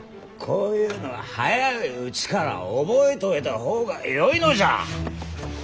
こういうのは早いうちから覚えといた方がよいのじゃ。